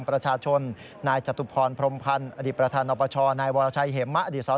กรณีนี้ทางด้านของประธานกรกฎาได้ออกมาพูดแล้ว